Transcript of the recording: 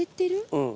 うん。